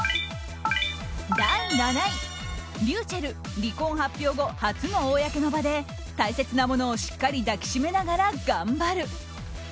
第７位、ｒｙｕｃｈｅｌｌ離婚発表後初の公の場で大切なものをしっかり抱きしめながら頑張る。